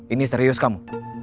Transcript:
ini serius kamu